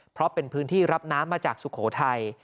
เพราะเป็นพื้นที่รับน้ำมาจากสุโขทัย